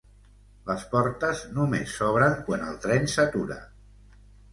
Les portes només s'obren quan el tren s'atura.